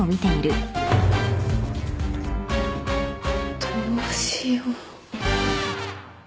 どうしよう。